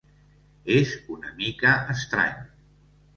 És una mica estrany.